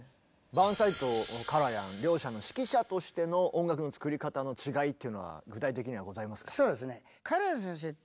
バーンスタインとカラヤン両者の指揮者としての音楽の作り方の違いっていうのは具体的にはございますか？